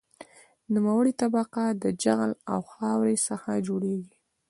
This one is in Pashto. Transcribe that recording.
نوموړې طبقه د جغل او خاورې څخه جوړیږي